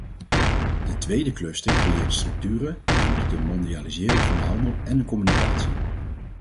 De tweede cluster creëert structuren, namelijk de mondialisering van de handel en de communicatie.